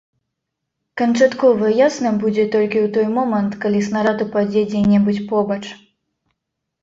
Канчаткова ясна будзе толькі ў той момант, калі снарад упадзе дзе-небудзь побач.